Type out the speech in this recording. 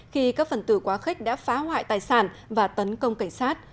khi các phần tử quá khích đã phá hoại tài sản và tấn công cảnh sát